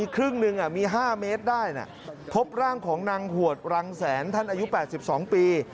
ครบร่างของนางหวดรังแสนท่านอายุ๘๒ปี